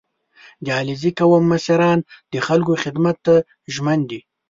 • د علیزي قوم مشران د خلکو خدمت ته ژمن دي.